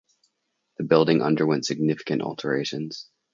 The building underwent significant alterations.